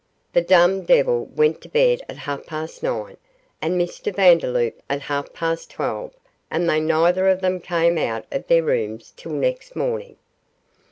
The dumb devil went to bed at half past nine, and Mr Vandeloup at half past twelve, and they neither of them came out of their rooms till next morning.